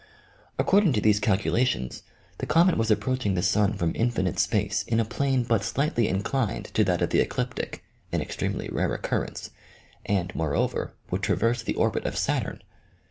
According to these calculations, the comet was ap proaching the sun from infinite space in a plane but slightly inclined to that of the ecliptic, an extremely rare occurrence, and, moreover, would traverse the orbit of Saturn.